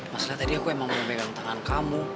masalah tadi aku emang mau pegang tangan kamu